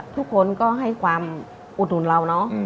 ทุกคนก็ให้ความอุดหนุนเราเนอะ